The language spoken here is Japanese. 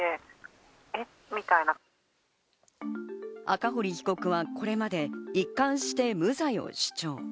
赤堀被告はこれまで一貫して無罪を主張。